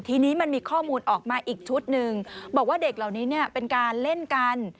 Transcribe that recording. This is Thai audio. ทีนี้มันมีข้อมูลออกมาอีกชุดหนึ่งบอกว่าเด็กเหล่านี้เนี่ยเป็นการเล่นกัน